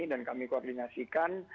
dan kami koordinasikan